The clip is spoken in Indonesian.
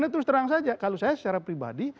terus terang saja kalau saya secara pribadi